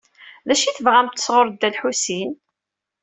D acu i tebɣamt sɣur Dda Lḥusin?